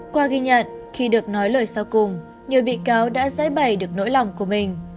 qua ghi nhận khi được nói lời sau cùng nhiều bị cáo đã giấy bày được nỗi lòng của mình